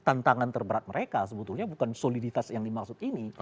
tantangan terberat mereka sebetulnya bukan soliditas yang dimaksud ini